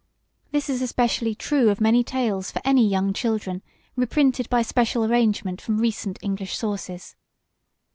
This is especially true of many tales for any young children reprinted by special arrangement from recent English sources.